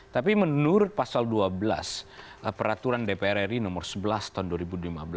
tapi menurut pasal dua belas peraturan dpr ri nomor sebelas tahun dua ribu lima belas